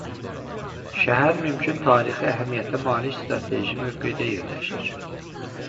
Şəhər mühüm tarixi əhəmiyyətə malik strateji mövqedə yerləşir.